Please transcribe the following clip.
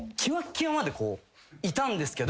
きわまでいたんですけど。